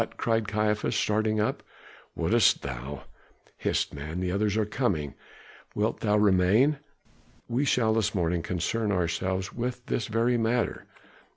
cried Caiaphas, starting up. "Wouldst thou ?" "Hist, man, the others are coming! wilt thou remain? We shall this morning concern ourselves with this very matter."